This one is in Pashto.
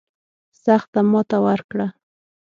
سخته ماته ورکړه.